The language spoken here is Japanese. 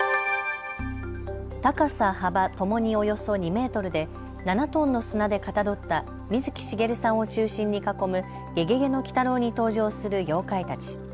高さ幅ともにおよそ２メートルで７トンの砂でかたどった水木しげるさんを中心に囲むゲゲゲの鬼太郎に登場する妖怪たち。